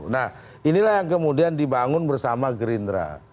nah inilah yang kemudian dibangun bersama gerindra